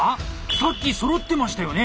さっきそろってましたよね？